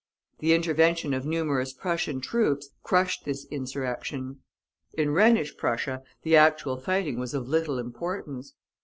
The intervention of numerous Prussian troops crushed this insurrection. In Rhenish Prussia the actual fighting was of little importance.